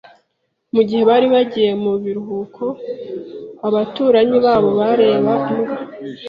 Mu gihe bari bagiye mu biruhuko, abaturanyi babo bareba imbwa.